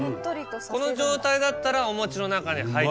この状態だったらお餅の中に入ったんです。